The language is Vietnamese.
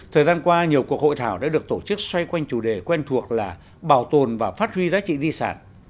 thời gian qua nhiều cuộc hội thảo đã được tổ chức xoay quanh chủ đề quen thuộc là bảo tồn và phát huy giá trị di sản